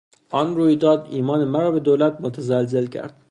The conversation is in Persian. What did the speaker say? آن رویداد ایمان مرا به دولت متزلزل کرد.